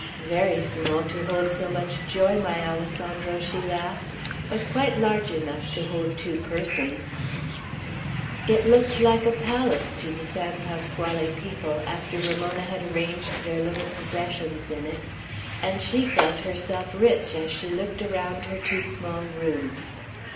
"Very small to hold so much joy, my Alessandro," she laughed; "but quite large enough to hold two persons." It looked like a palace to the San Pasquale people, after Ramona had arranged their little possessions in it; and she herself felt rich as she looked around her two small rooms.